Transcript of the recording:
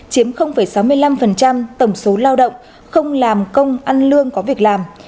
chiếm sáu mươi năm tổng số lao động không làm công ăn lương có việc làm